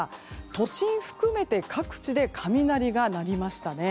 都心含めて各地で雷が鳴りましたね。